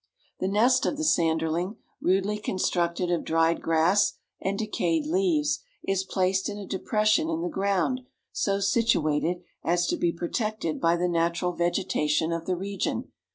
The nest of the Sanderling, rudely constructed of dried grass and decayed leaves, is placed in a depression in the ground so situated as to be protected by the natural vegetation of the region.